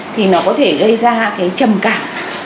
thì nó có thể gây ra cái trầm cảm